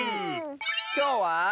きょうは。